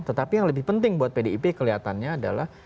tetapi yang lebih penting buat pdip kelihatannya adalah